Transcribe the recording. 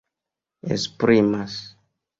esprimas